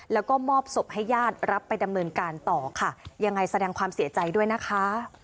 แล้วก็มอบศพให้ญาติรับไปดำเนินการต่อค่ะยังไงแสดงความเสียใจด้วยนะคะ